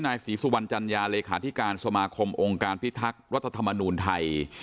นายศรีสุวรรณจัญญาเลขาธิการสมาคมองค์การพิทักษ์รัฐธรรมนูลไทย